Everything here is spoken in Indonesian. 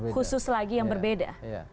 khusus lagi yang berbeda